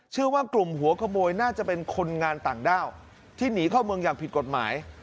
เชื่อว่ากลุ่มหัวขโมยน่าจะเป็นคนงานต่างด้าวที่หนีเข้าเมืองอย่างผิดกฎหมาย